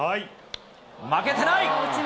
負けてない。